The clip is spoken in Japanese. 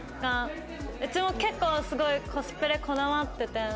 うちも結構すごいコスプレこだわってて。